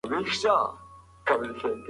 اشتباه کول پکې کم دي.